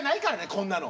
こんなの！